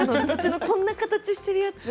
こんな形しているやつ。